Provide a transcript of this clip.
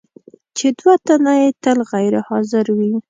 چې دوه تنه یې تل غیر حاضر وي.